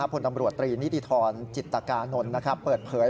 ผลตำรวจตรีนิติธรจิตกานนท์เปิดเผย